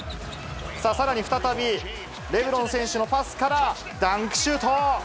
さらに再び、レブロン選手のパスから、ダンクシュート。